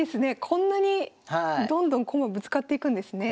こんなにどんどん駒ぶつかっていくんですね。